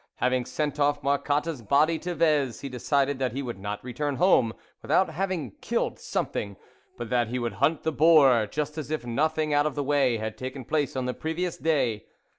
Having sent THE WOLF LEADER 37 off Marcotte's body to Vez, he decided that he would not return home without having killed something, but that he would hunt the boar, just as if nothing out of the way had taken place on the previous day.